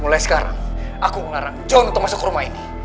mulai sekarang aku melarang john untuk masuk ke rumah ini